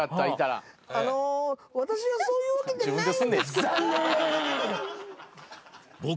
あの私はそういうわけじゃないんですけども残念！